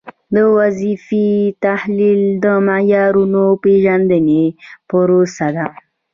د وظیفې تحلیل د معیارونو د پیژندنې پروسه ده.